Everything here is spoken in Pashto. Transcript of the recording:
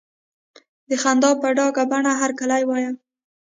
د خندا په ډکه بڼه هرکلی وایه.